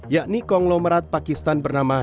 yakni konglomerat pakistan bernama